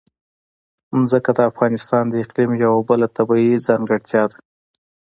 ځمکه د افغانستان د اقلیم یوه بله طبیعي ځانګړتیا ده.